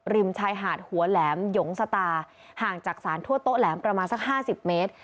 ริมชายหาดหัวแหลมหยงสตาห่างจากสารทั่วโต๊แหลมประมาณสัก๕๐เมตร